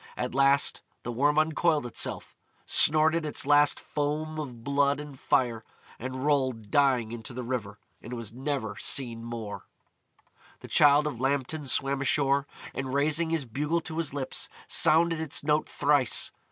At last the Worm uncoiled itself, snorted its last foam of blood and fire, and rolled dying into the river, and was never seen more. [Illustration: The Lambton Worm] The Childe of Lambton swam ashore, and raising his bugle to his lips, sounded its note thrice.